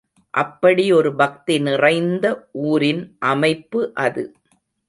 அப்படி ஒரு பக்தி நிறைந்த ஊரின் அமைப்பு அது.